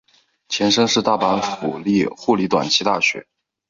前身是大阪府立护理短期大学。